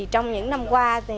trong những năm qua